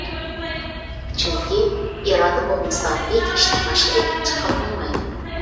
چۈنكى، ئىرادە بولمىسا، ھېچ ئىشنى باشقا ئېلىپ چىققىلى بولمايدۇ.